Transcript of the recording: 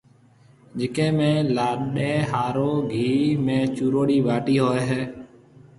جڪيَ ۾ لاڏَي ھارو گھيَََ ۾ چوروڙِي ٻاٽِي ھوئيَ ھيَََ